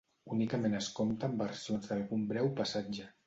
Únicament es compta amb versions d'algun breu passatge.